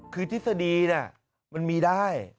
คือทฤษฎีมันมีได้